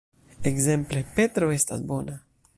Ekzemple: Petro estas bona.